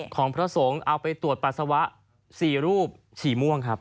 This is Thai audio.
ของพระสงฆ์เอาไปตรวจปัสสาวะ๔รูปฉี่ม่วงครับ